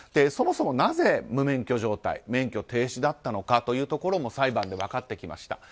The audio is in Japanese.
そもそもなぜ無免許状態免許停止だったのかというのも裁判で分かってきました。